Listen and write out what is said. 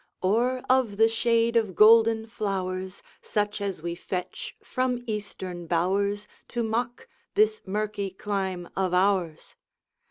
Or of the shade of golden flowers, Such as we fetch from Eastern bowers, To mock this murky clime of ours?